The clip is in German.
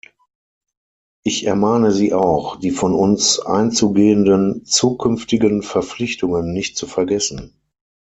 Ich ermahne Sie auch, die von uns einzugehenden zukünftigen Verpflichtungen nicht zu vergessen.